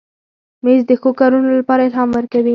مېز د ښو کارونو لپاره الهام ورکوي.